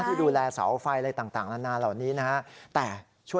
ที่ดูแลเสาไฟอะไรต่างนานาเหล่านี้นะฮะ